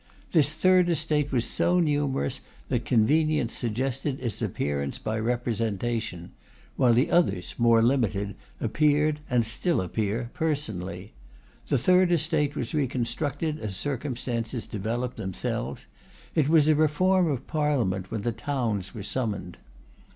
This Third Estate was so numerous, that convenience suggested its appearance by representation; while the others, more limited, appeared, and still appear, personally. The Third Estate was reconstructed as circumstances developed themselves. It was a Reform of Parliament when the towns were summoned.